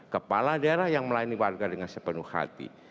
kepala daerah yang melayani warga dengan sepenuh hati